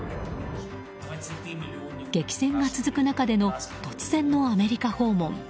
激戦が続く中での突然のアメリカ訪問。